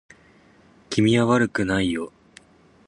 君は悪くないよ